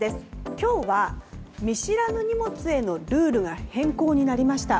今日は、見知らぬ荷物へのルールが変更になりました。